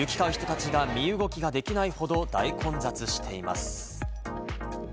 行き交う人たちが身動きができないほど大混雑しています。